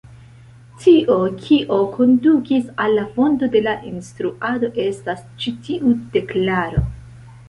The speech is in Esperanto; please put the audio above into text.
Tio, kio kondukis al la fondo de la instruado, estas ĉi tiu deklaro.